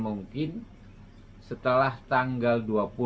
mungkin setelah tanggal dua puluh